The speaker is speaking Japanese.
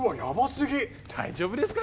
すぎ大丈夫ですか？